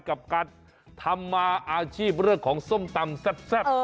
กับการทำมาอาชีพเรื่องของส้มตำแซ่บ